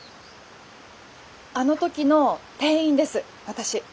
あの時の店員です私。